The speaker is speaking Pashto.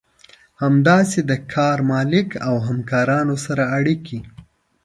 همداسې د کار مالک او همکارانو سره اړيکې.